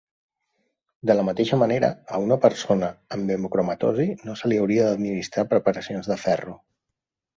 De la mateixa manera, a una persona amb hemocromatosi no se li hauria d'administrar preparacions de ferro.